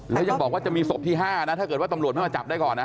แล้วยังบอกว่าจะมีศพที่๕นะถ้าเกิดว่าตำรวจไม่มาจับได้ก่อนนะ